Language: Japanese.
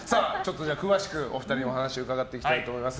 詳しくお二人にお話伺っていきたいと思います。